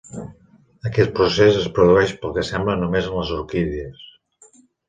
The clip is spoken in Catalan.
Aquest procés es produeix, pel que sembla, només en les orquídies.